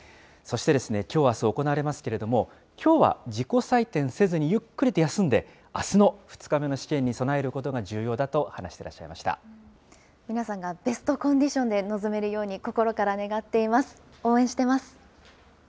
そしてきょう、あす、行われますけれども、きょうは自己採点せずにゆっくりと休んで、あすの２日目の試験に備えることが重要だと皆さんがベストコンディションで臨めるように、心から願っています。